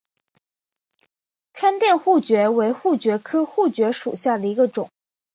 川滇槲蕨为槲蕨科槲蕨属下的一个种。